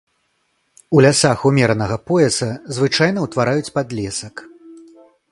У лясах умеранага пояса звычайна ўтвараюць падлесак.